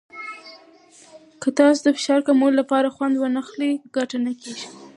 که تاسو د فشار کمولو لپاره خوند ونه واخلئ، ګټه نه کېږي.